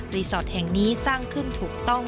รีสอร์ตแห่งนี้สร้างขึ้นถูกต้อง